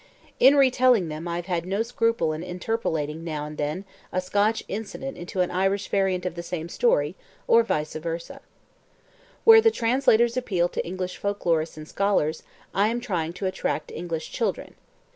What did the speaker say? In re telling them I have had no scruple in interpolating now and then a Scotch incident into an Irish variant of the same story, or vice versa. Where the translators appealed to English folklorists and scholars, I am trying to attract English children.